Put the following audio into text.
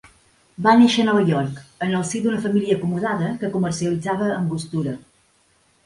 Va néixer a Nova York, en el si d'una família acomodada que comercialitzava angostura.